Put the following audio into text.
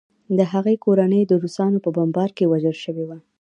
د هغې کورنۍ د روسانو په بمبارۍ کې وژل شوې وه